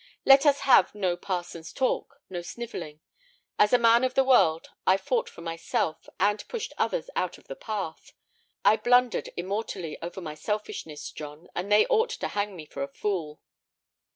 Let us have no parson's talk—no snivelling. As a man of the world I fought for myself, and pushed others out of the path. I blundered immortally over my selfishness, John, and they ought to hang me for a fool."